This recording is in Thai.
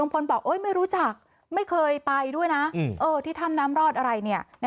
พลบอกไม่รู้จักไม่เคยไปด้วยนะที่ถ้ำน้ำรอดอะไรเนี่ย